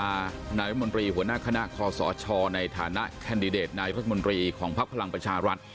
นายรัฐมนตรีหัวหน้าคณะคอสชในฐานะแคนดิเดตนายรัฐมนตรีของภักดิ์พลังประชารัฐ